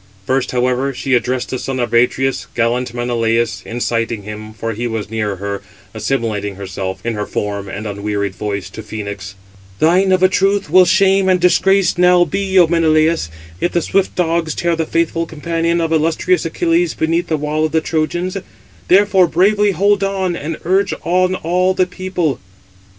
First, however, she addressed the son of Atreus, gallant Menelaus, inciting him, for he was near her, assimilating herself, in her form and unwearied voice, to Phœnix: "Thine, of a truth, will shame and disgrace now be, O Menelaus, if the swift dogs tear the faithful companion of illustrious Achilles beneath the wall of the Trojans; therefore bravely hold on, and urge on all the people."